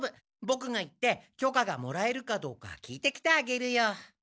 ボクが行って許可がもらえるかどうかきいてきてあげるよ。